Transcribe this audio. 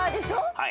はい。